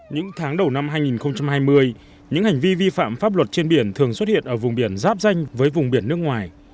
những tháng đầu năm hai nghìn hai mươi những hành vi vi phạm pháp luật trên biển thường xuất hiện ở vùng biển giáp danh với vùng biển nước ngoài